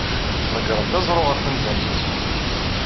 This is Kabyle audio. Ḍeggrent aẓru ɣer temda-nni.